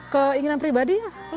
keinginan pribadi ya